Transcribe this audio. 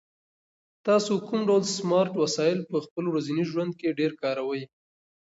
تاسو کوم ډول سمارټ وسایل په خپل ورځني ژوند کې ډېر کاروئ؟